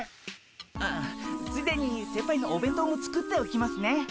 ああついでに先輩のお弁当も作っておきますね。